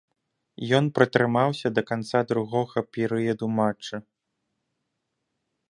Ён пратрымаўся да канца другога перыяду матча.